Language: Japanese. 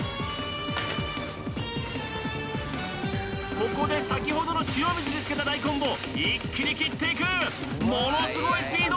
ここで先ほどの塩水につけた大根を一気に切っていくものすごいスピード